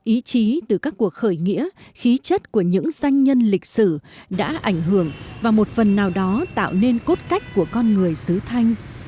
ý chí từ các cuộc khởi nghĩa khí chất của những danh nhân lịch sử đã ảnh hưởng và một phần nào đó tạo nên cốt cách của con người xứ thanh